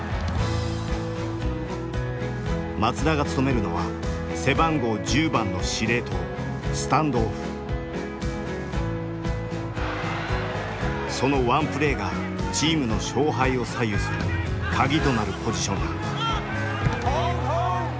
松田が務めるのは背番号１０番のそのワンプレーがチームの勝敗を左右する鍵となるポジションだ。